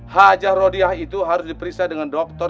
hajar rodia itu harus diperiksa dengan doktor